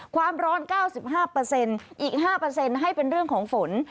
ความร้อน๙๕อีก๕ให้เป็นเรื่องของฝน